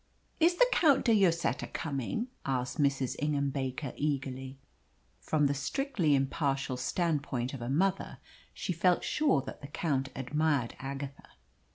"Is the Count de Lloseta coming?" asked Mrs. Ingham Baker eagerly. From the strictly impartial standpoint of a mother she felt sure that the Count admired Agatha.